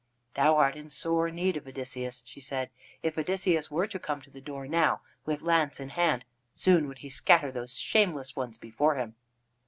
"Thou art in sore need of Odysseus," she said. "If Odysseus were to come to the door now with lance in hand, soon would he scatter those shameless ones before him."